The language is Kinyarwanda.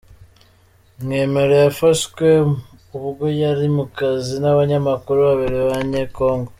Mwemero yafashwe ubwo yari mu kazi n’abanyamakuru babiri b’Abanye-Congo.